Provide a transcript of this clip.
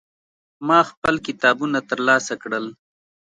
ما خپل کتابونه ترلاسه کړل.